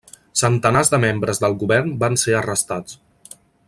Centenars de membres del govern van ser arrestats.